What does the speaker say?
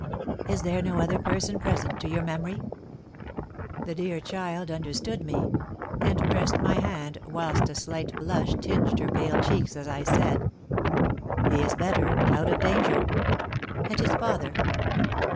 "Is there no other person present to your memory?" The dear child understood me, and pressed my hand, whilst a slight blush tinged her pale cheeks as I said, "He is better out of danger." "And his father?"